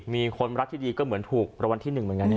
มีคนรักที่ดีก็เหมือนถูกรางวัลที่๑เหมือนกัน